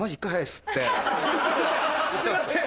すいません。